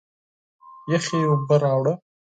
یخي اوبه راړه!